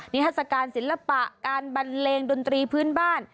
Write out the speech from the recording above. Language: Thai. ทัศกาลศิลปะการบันเลงดนตรีพื้นบ้าน